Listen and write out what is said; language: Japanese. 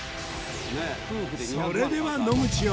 それでは野口よ